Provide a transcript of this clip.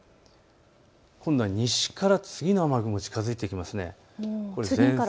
今度は西から次の雨雲が近づいてきますね。